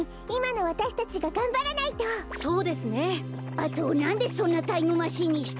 あとなんでそんなタイムマシーンにしたの？